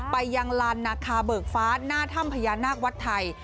ไปยังลานนาคาเบิกฟ้าหน้าถ้ำพญานาควัดไทย